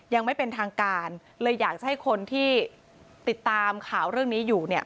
ยังไม่เป็นทางการเลยอยากจะให้คนที่ติดตามข่าวเรื่องนี้อยู่เนี่ย